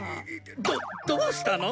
どどうしたの？